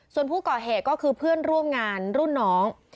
ส่วนผู้ก่อเหตุก็คือเพื่อนร่วมงานรุ่นน้อง